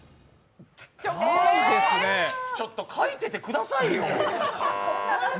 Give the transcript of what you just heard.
ちょっと書いててくださいよ。